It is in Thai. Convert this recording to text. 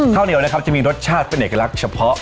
ข้าวเหนียวนะครับจะมีรสชาติเป็นเอกลักษณ์เฉพาะ